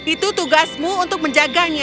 itu tugasmu untuk menjaganya